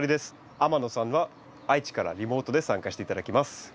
天野さんは愛知からリモートで参加して頂きます。